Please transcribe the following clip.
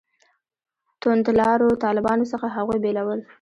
توندلارو طالبانو څخه هغوی بېلول.